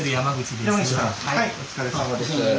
はいお疲れさまです。